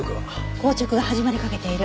硬直が始まりかけている。